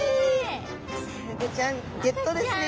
クサフグちゃんゲットですね。